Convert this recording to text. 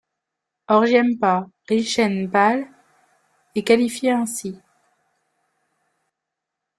Orgyenpa Rinchen Pal est qualifié ainsi.